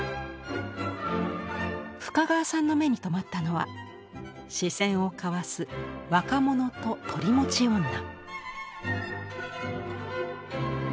深川さんの目に留まったのは視線を交わす「若者と取り持ち女」。